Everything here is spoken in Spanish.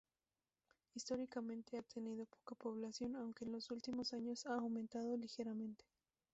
Históricamente ha tenido poca población, aunque en los últimos años ha aumentado ligeramente.